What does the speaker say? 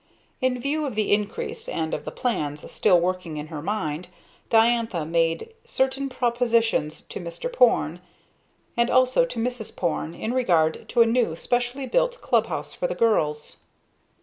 In view of the increase and of the plans still working in her mind, Diantha made certain propositions to Mr. Porne, and also to Mrs. Porne, in regard to a new, specially built club house for the girls.